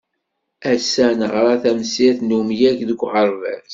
Ass-a neɣra tamsirt n umyag deg uɣerbaz.